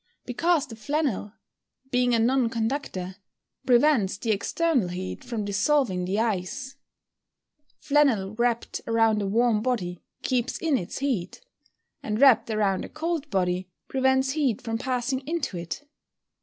_ Because the flannel, being a non conductor, prevents the external heat from dissolving the ice. Flannel wrapped around a warm body keeps in its heat; and wrapped around a cold body, prevents heat from passing into it.